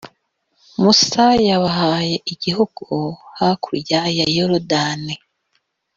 musa yabahaye igihugu hakurya ya yorudani.